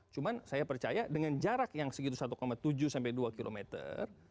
cuma saya percaya dengan jarak yang segitu satu tujuh sampai dua kilometer